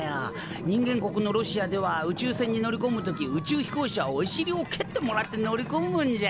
人間国のロシアでは宇宙船に乗りこむ時宇宙飛行士はおしりをけってもらって乗りこむんじゃ。